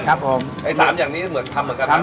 ไอ้๓อย่างนี้ทำเหมือนกันนะ